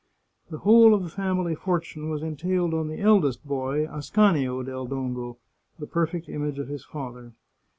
The whole of the family fortune was entailed on the eldest boy, Ascanio del Dongo, the perfect image of his father.